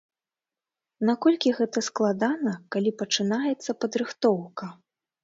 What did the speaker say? Наколькі гэта складана, калі пачынаецца падрыхтоўка?